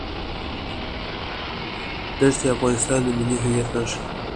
دښتې د افغانستان د ملي هویت نښه ده.